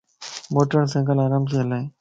موٽر سينڪل آرام سين ھلائي